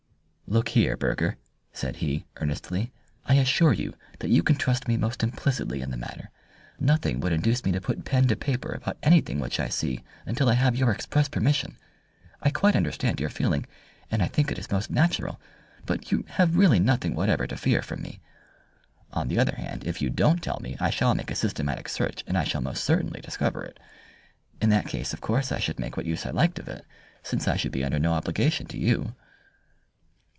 "Look here, Burger," said he, earnestly, "I assure you that you can trust me most implicitly in the matter. Nothing would induce me to put pen to paper about anything which I see until I have your express permission. I quite understand your feeling, and I think it is most natural, but you have really nothing whatever to fear from me. On the other hand, if you don't tell me I shall make a systematic search, and I shall most certainly discover it. In that case, of course, I should make what use I liked of it, since I should be under no obligation to you."